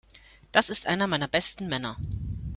Das ist einer meiner besten Männer.